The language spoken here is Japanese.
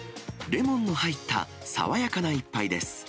レモンの入った、爽やかな一杯です。